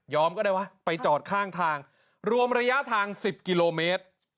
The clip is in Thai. ก็ได้วะไปจอดข้างทางรวมระยะทาง๑๐กิโลเมตร